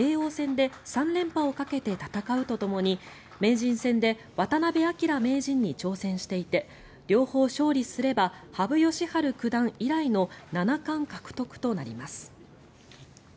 藤井竜王は現在、叡王戦で３連覇をかけて戦うとともに名人戦で渡辺明名人に挑戦していて両方勝利すれば羽生善治九段以来の七冠獲得となります。